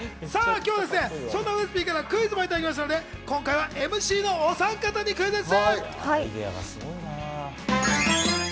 今日はそんなウエスＰからクイズもいただきましたので今日はＭＣのお３方にクイズッス！